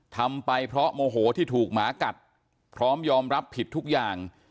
ทำไปเพราะโมโหที่ถูกหมากัดพร้อมยอมรับผิดทุกอย่าง